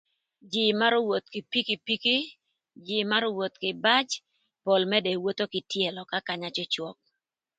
Jïï marö woth kï pikipiki, jïï marö woth kï bac, pol mërë d'ewotho kï tyëlö ka kanya cwöcwök